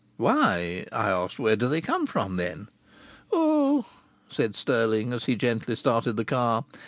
"Why?" I asked. "Where do they come from, then?" "Oh!" said Stirling as he gently started the car.